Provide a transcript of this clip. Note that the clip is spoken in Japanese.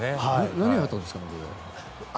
何があったんですかね？